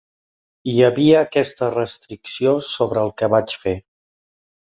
Hi havia aquesta restricció sobre el que vaig fer.